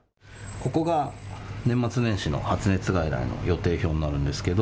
ここが年末年始の発熱外来の予定表になるんですけれど。